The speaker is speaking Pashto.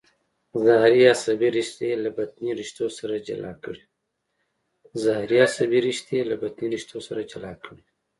ظهري عصبي رشتې له بطني رشتو سره جلا کړئ.